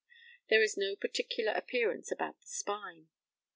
There is no particular appearance about the spine.